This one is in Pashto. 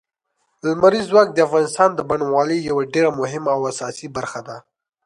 لمریز ځواک د افغانستان د بڼوالۍ یوه ډېره مهمه او اساسي برخه ده.